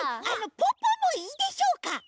あのポッポもいいでしょうか？